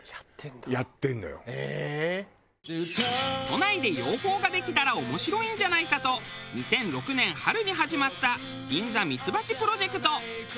都内で養蜂ができたら面白いんじゃないかと２００６年春に始まった銀座ミツバチプロジェクト。